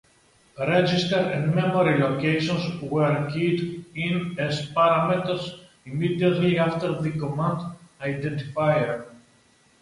Register and memory locations were keyed in as parameters immediately after the command identifier.